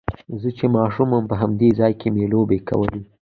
زه چې ماشوم وم په همدې ځای کې مې لوبې کولې.